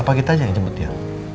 apa kita aja yang jemput dia